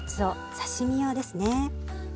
刺身用ですね。